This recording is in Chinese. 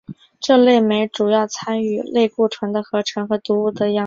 这类酶主要参与类固醇的合成和毒物的氧化代谢。